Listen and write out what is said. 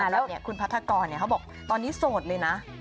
แล้วคุณพัทธกรเขาบอกตอนนี้โสดเลยนะ